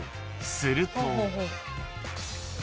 ［すると］